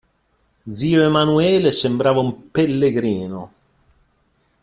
Zio Emanuele sembrava un pellegrino.